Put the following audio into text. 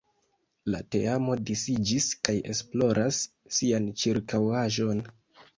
La teamo disiĝis kaj esploras sian ĉirkaŭaĵon.